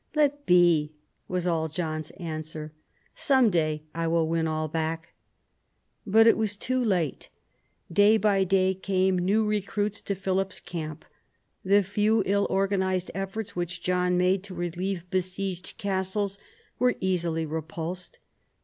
" Let be," was all John's answer, " some day I will win all back." But it was too late. Day by day came new recruits to Philip's camp. The few ill organised efforts which John made to relieve besieged castles were easily repulsed.